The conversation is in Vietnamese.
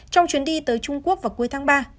trong chuyến đi tới trung quốc vào cuối tháng ba